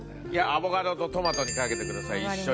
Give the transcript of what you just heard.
アボカドとトマトにかけてください一緒に。